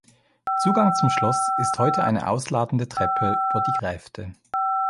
Zugang zum Schloss ist heute eine ausladende Treppe über die Gräfte.